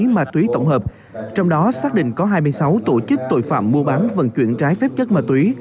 ma túy tổng hợp trong đó xác định có hai mươi sáu tổ chức tội phạm mua bán vận chuyển trái phép chất ma túy